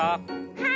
はい！